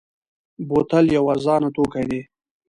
بوتل یو ارزانه توکی دی.